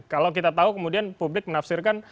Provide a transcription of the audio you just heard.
kalau kita tahu kemudian publik menafsirkan